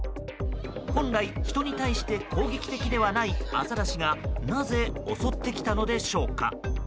本来、人に対して攻撃的ではないアザラシがなぜ襲ってきたのでしょうか。